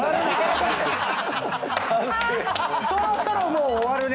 「そろそろもう終わるね。